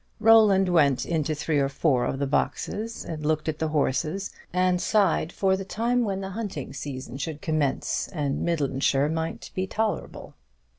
Roland went into three or four of the boxes, and looked at the horses, and sighed for the time when the hunting season should commence and Midlandshire might be tolerable.